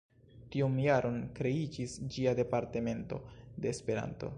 Tiun jaron kreiĝis ĝia Departemento de Esperanto.